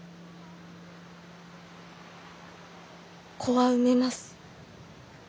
子は産めます。